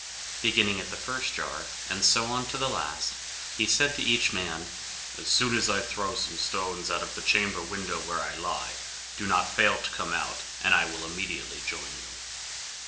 Beginning at the first jar, and so on to the last, he said to each man: "As soon as I throw some stones out of the chamber window where I lie, do not fail to come out, and I will immediately join you."